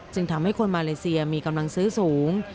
จึงทำให้คนมาเลเซียมีกำลังซื้อสูง